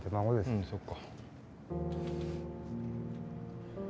うんそっか。